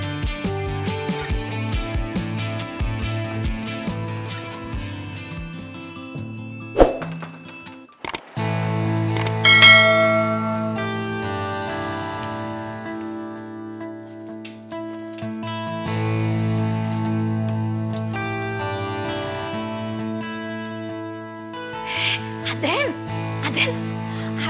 gue nyari refah kemana ya